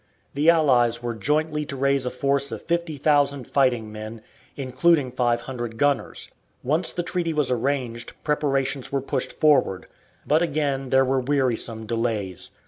The allies were jointly to raise a force of 50,000 fighting men, including 500 gunners. Once the treaty was arranged preparations were pushed forward, but again there were wearisome delays.